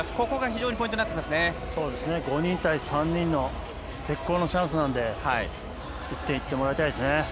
ここが非常に５人対３人の絶好のチャンスなので１点、いってもらいたいですね。